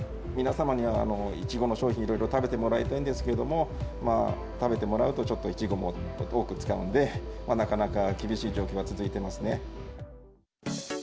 皆様にはイチゴの商品、いろいろ食べてもらいたいんですけれども、食べてもらうと、ちょっとイチゴも多く使うんで、なかなか厳しい状況が続いてますね。